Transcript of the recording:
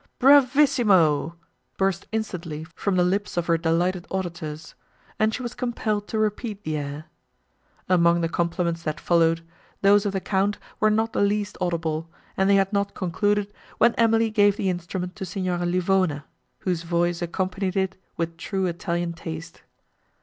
Bravissimo! burst instantly from the lips of her delighted auditors, and she was compelled to repeat the air. Among the compliments that followed, those of the Count were not the least audible, and they had not concluded, when Emily gave the instrument to Signora Livona, whose voice accompanied it with true Italian taste.